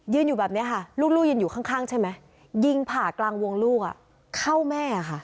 อยู่แบบนี้ค่ะลูกยืนอยู่ข้างใช่ไหมยิงผ่ากลางวงลูกเข้าแม่ค่ะ